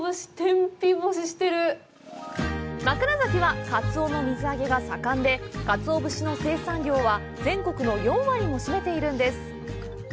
枕崎は、かつおの水揚げが盛んでかつお節の生産量は全国の４割も占めているんです。